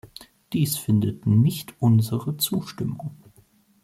Dies findet nicht unsere Zustimmung.